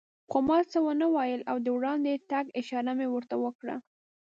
خو ما څه و نه ویل او د وړاندې تګ اشاره مې ورته وکړه.